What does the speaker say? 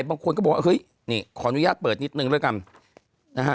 บางคนก็บอกว่านี่ขออนุญาตเปิดนิดนึงด้วยกัน